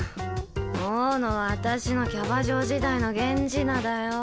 大野は私のキャバ嬢時代の源氏名だよ